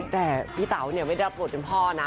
แต่พี่เต๋าเนี่ยไม่ได้รับบทเป็นพ่อนะ